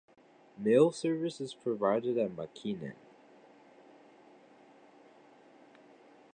Mail service is provided at Makinen.